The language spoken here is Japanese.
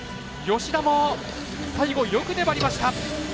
吉田も最後、よく粘りました。